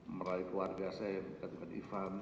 meraih keluarga saya yang terkait dengan ivan